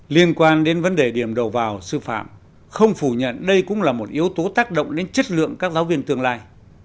liên quan đến vấn đề điểm đầu vào sư phạm không phủ nhận đây cũng là một yếu tố tác động đến chất lượng các giáo viên tương lai